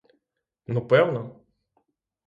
— Ну, певно!